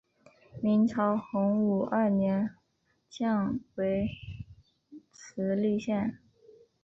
明朝洪武二年降为慈利县。